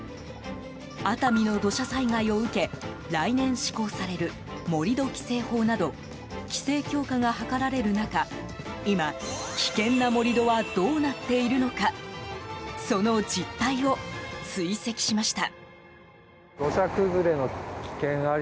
熱海の土砂災害を受け来年施行される盛土規制法など規制強化が図られる中今、危険な盛り土はどうなっているのかその実態を追跡しました。